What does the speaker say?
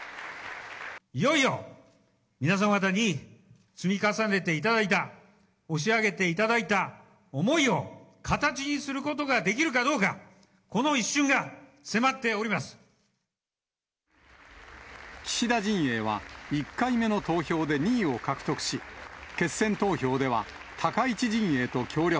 いよいよ皆様方に積み重ねていただいた、押し上げていただいた思いを形にすることができるかどうか、岸田陣営は、１回目の投票で２位を獲得し、決選投票では、高市陣営と協力。